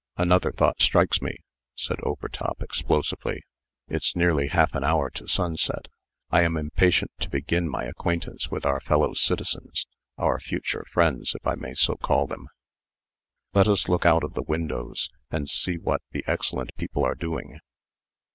"Another thought strikes me," said Overtop, explosively. "It's nearly half an hour to sunset. I am impatient to begin my acquaintance with our fellow citizens our future friends, if I may so call them. Let us look out of the windows, and see what the excellent people are doing.